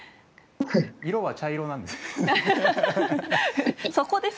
色は茶色なんですね。